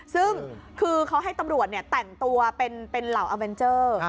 ซึ่งคือเขาให้ตำรวจแต่งตัวเป็นเหล่าอาเวนเจอร์